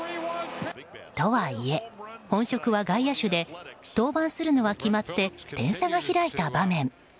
とはいえ、本職は外野手で登板するのは決まって点差が開いた場面。